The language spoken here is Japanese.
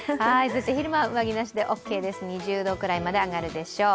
昼間は上着なしでオーケーです、２０度ぐらいまで上がるでしょう。